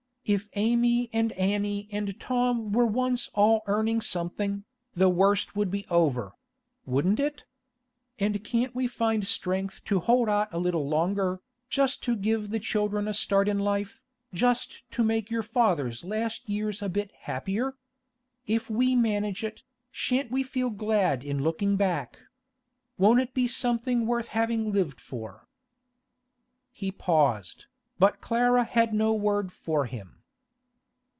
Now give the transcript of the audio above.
If Amy and Annie and Tom were once all earning something, the worst would be over—wouldn't it? And can't we find strength to hold out a little longer, just to give the children a start in life, just to make your father's last years a bit happier? If we manage it, shan't we feel glad in looking back? Won't it be something worth having lived for?' He paused, but Clara had no word for him.